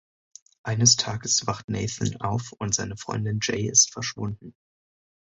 Eines Tages wacht Nathan auf und seine Freundin Jay ist verschwunden.